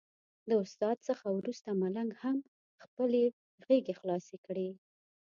د استاد څخه وروسته ملنګ هم خپلې غېږې خلاصې کړې.